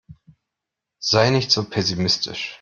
Sei nicht so pessimistisch.